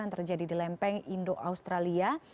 yang terjadi di lempeng indo australia